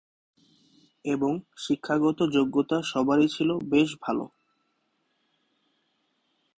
এবং শিক্ষাগত যোগ্যতা সবারই ছিল বেশ ভালো।